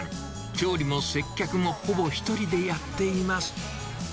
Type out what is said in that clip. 調理も接客もほぼ１人でやっています。